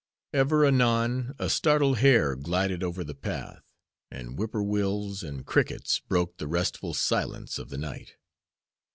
Ever and anon a startled hare glided over the path, and whip poor wills and crickets broke the restful silence of the night.